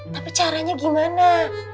tapi caranya gimana